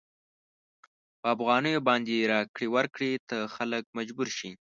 په افغانیو باندې راکړې ورکړې ته خلک مجبور شي.